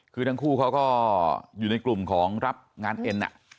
คือทั้งคู่เขาก็อยู่ในกลุ่มของรับงานเอ็น